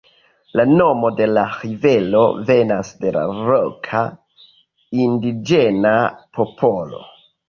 La nomo de la rivero venas de la loka indiĝena popolo.